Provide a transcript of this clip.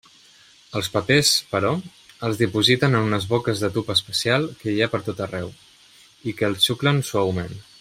Els papers, però, els dipositen en unes boques de tub especial que hi ha pertot arreu i que els xuclen suaument.